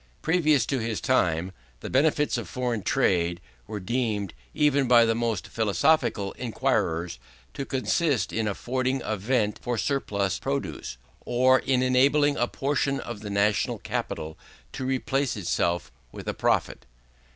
Previously to his time, the benefits of foreign trade were deemed, even by the most philosophical enquirers, to consist in affording a vent for surplus produce, or in enabling a portion of the national capital to replace itself with a profit.